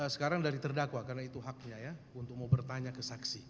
sekarang dari terdakwa karena itu haknya ya untuk mau bertanya ke saksi